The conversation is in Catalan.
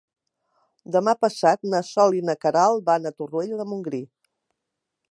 Demà passat na Sol i na Queralt van a Torroella de Montgrí.